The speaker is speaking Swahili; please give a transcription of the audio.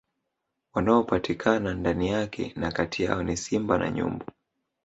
Wanaopatikana ndani yake na kati yao ni Simba na Nyumbu